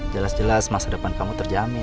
jelas jelas masa depan kamu terjamin